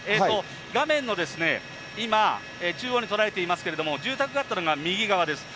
画面の、今、中央に捉えていますけれども、住宅があったのが右側です。